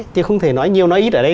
chứ không thể nói nhiều